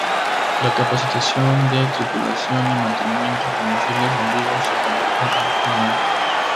La capacitación de tripulación y mantenimiento con misiles en vivo se completó en junio.